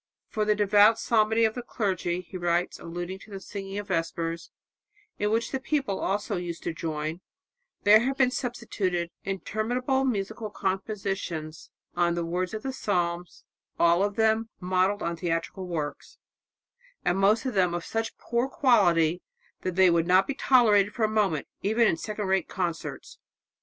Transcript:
"For the devout psalmody of the clergy," he writes, alluding to the singing of Vespers, in which the people also used to join, "there have been substituted interminable musical compositions on the words of the Psalms, all of them modelled on theatrical works, and most of them of such poor quality that they would not be tolerated for a moment even in second rate concerts.